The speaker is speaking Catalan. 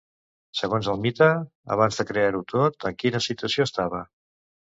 Segons el mite, abans de crear-ho tot, en quina situació estava?